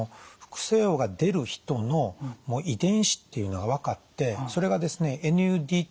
副作用が出る人の遺伝子っていうのが分かってそれがですね